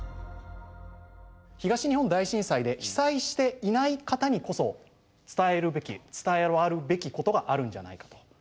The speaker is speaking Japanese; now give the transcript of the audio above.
東日本大震災で被災していない方にこそ伝えるべき伝えるあるべきことがあるんじゃないかと。